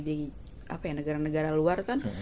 di apa ya negara negara luar kan